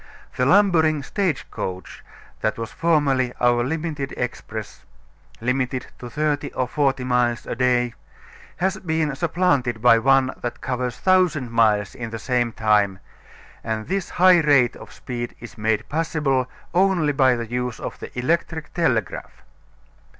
The lumbering stage coach that was formerly our limited express limited to thirty or forty miles a day has been supplanted by one that covers 1000 miles in the same time, and this high rate of speed is made possible only by the use of the electric telegraph.